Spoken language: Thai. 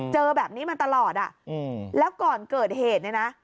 เจอแบบนี้มาตลอดอ่ะแล้วก่อนเกิดเหตุเนี่ยนะ